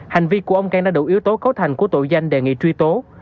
hành vi của ông cang đã đủ yếu tố cấu thành của tội danh đề nghị truy tố